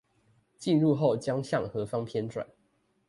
進入後將向何方偏轉？